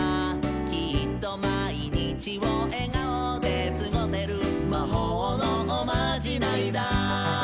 「きっとまいにちをえがおですごせる」「まほうのおまじないだ」